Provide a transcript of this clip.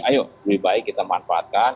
ayo lebih baik kita manfaatkan